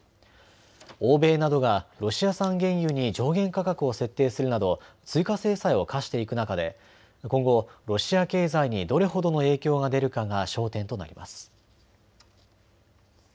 欧米などがロシア産原油に上限価格を設定するなど追加制裁を科していく中で今後、ロシア経済にどれほどの影響が出るかが焦点となります。